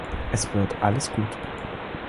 Es wird alles gut.